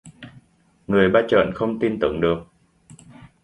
Người ba trợn không tin tưởng được